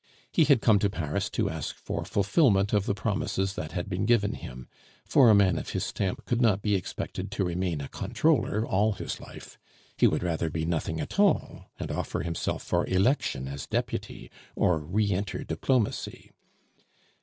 He had come to Paris to ask for fulfilment of the promises that had been given him, for a man of his stamp could not be expected to remain a comptroller all his life; he would rather be nothing at all, and offer himself for election as deputy, or re enter diplomacy.